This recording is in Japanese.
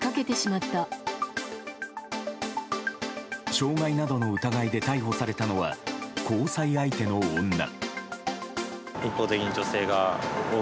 傷害などの疑いで逮捕されたのは交際相手の女。